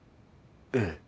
ええ。